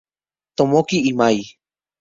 Tomoki Imai